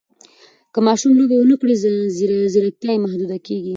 که ماشوم لوبې ونه کړي، ځیرکتیا یې محدوده کېږي.